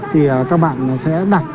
thì các bạn sẽ đặt